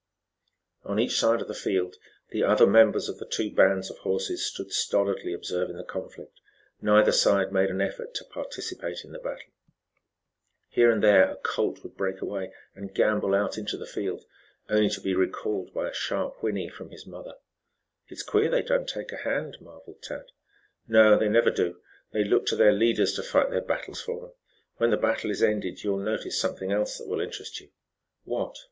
On each side of the field the other members of the two bands of horses, stood stolidly observing the conflict. Neither side made an effort to participate in the battle. Here and there a colt would break away and gambol out into the field, only to be recalled by a sharp whinny from its mother. "It's queer they do not take a hand," marveled Tad. "No; they never do. They look to their leader to fight their battles for them. When the battle is ended you will notice something else that will interest you." "What?"